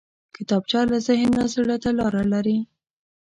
کتابچه له ذهن نه زړه ته لاره لري